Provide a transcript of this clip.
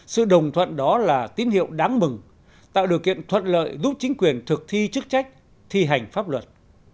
sự đồng thuận đó là tín hiệu đáng mừng tạo điều kiện thuận lợi giúp chính quyền thực thi chức trách thi hành pháp luật